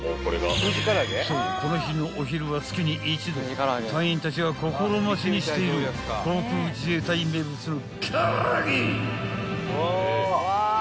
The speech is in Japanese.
［そうこの日のお昼は月に一度隊員たちが心待ちにしている航空自衛隊名物の］